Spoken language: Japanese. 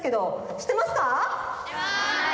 しってます！